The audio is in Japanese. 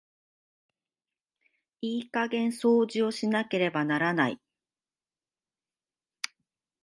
いい加減掃除をしなければならない。